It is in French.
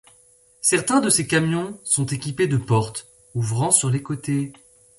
Certains de ces camions sont équipés de portes ouvrant sur les côtés.